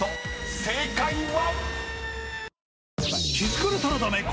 正解は⁉］